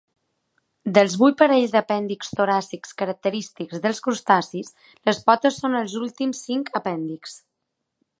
Dels vuit parells d'apèndixs toràcics característics dels crustacis les potes són els últims cinc apèndixs.